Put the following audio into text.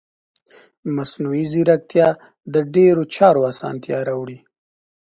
مصنوعي ځیرکتیا د ډیرو چارو اسانتیا راوړي.